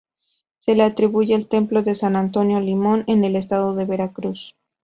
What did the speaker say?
Se le atribuye el templo de San Antonio Limón en el estado de Veracruz.